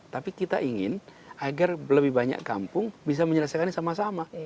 tapi kita ingin agar lebih banyak kampung bisa menyelesaikannya sama sama